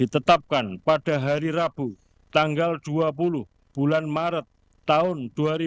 ditetapkan pada hari rabu tanggal dua puluh bulan maret tahun dua ribu dua puluh